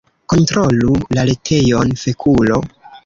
Kontrolu la retejon, fekulo